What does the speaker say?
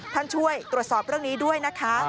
ช่วยตรวจสอบเรื่องนี้ด้วยนะคะ